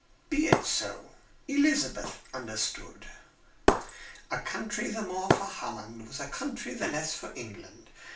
"Be it so. Elizabeth understood. A country the more for Holland was a country the less for England.